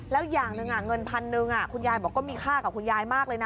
แล้วอย่างหนึ่งเงินพันหนึ่งคุณยายบอกก็มีค่ากับคุณยายมากเลยนะ